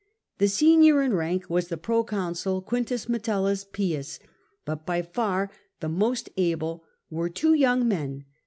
The senior in rank was the proconsul Q. Metellus Pius, but by far the most able were two young men, Gn.